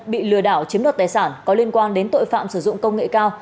bị lừa đảo chiếm đoạt tài sản có liên quan đến tội phạm sử dụng công nghệ cao